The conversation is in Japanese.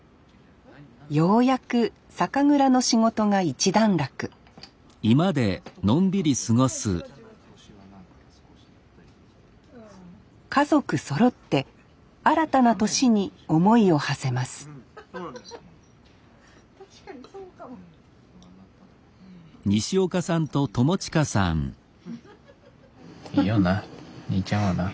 ようやく酒蔵の仕事が一段落家族そろって新たな年に思いをはせますいいよな兄ちゃんはな。